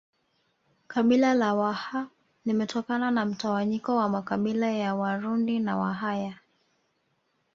Kabila la Waha limetokana na mtawanyiko wa makabila ya Warundi na Wahaya